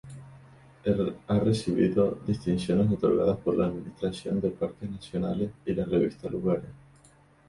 Ha recibido distinciones otorgadas por la Administración de Parques Nacionales y la Revista Lugares.